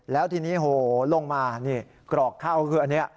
แล้วทีนี้ลงมากรอกเข้าก็คืออันนี้